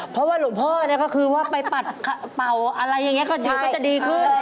เพราะว่าหลวงพ่อก็คือว่าไปปัดเป่าอะไรอย่างนี้ก็จะดีขึ้น